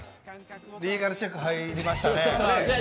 リーガルチェック入りましたね。